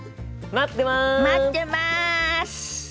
待ってます！